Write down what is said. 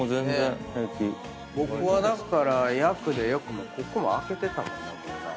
僕はだから役でよくここも開けてたもんな。